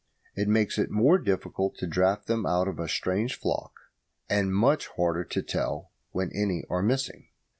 It makes it more difficult to draft them out of a strange flock, and much harder to tell when any are missing.